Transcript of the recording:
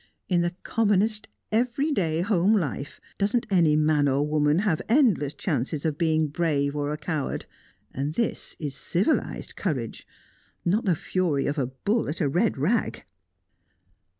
In the commonest everyday home life, doesn't any man or woman have endless chances of being brave or a coward? And this is civilised courage, not the fury of a bull at a red rag."